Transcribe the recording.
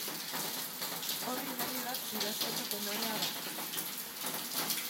Orri berri bat idazteko tenorea da.